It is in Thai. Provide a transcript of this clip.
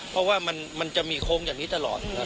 เพราะว่ามันจะมีโค้งอย่างนี้ตลอดครับ